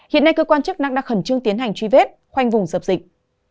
hiện nay cơ quan chức năng đang khẩn trương tiến hành truy vết khoanh vùng dập dịch